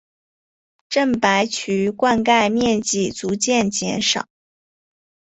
郑白渠灌溉面积逐渐减少。